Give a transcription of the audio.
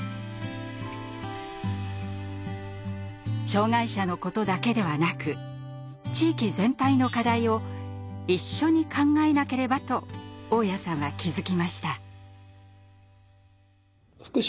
障害者のことだけではなく地域全体の課題を一緒に考えなければと雄谷さんは気付きました。